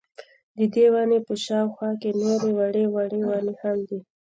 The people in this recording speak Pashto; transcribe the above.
ددې وني په شاوخوا کي نوري وړې وړې وني هم وې